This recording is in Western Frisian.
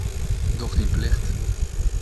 Doch dyn plicht.